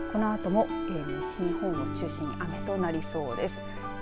このあとも西日本を中心に雨となりそうです。